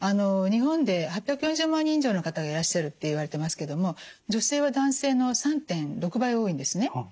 日本で８４０万人以上の方がいらっしゃるっていわれてますけれども女性は男性の３．６倍多いんですね。